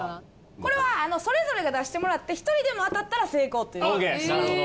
これはそれぞれが出してもらって１人でも当たったら成功という事にします。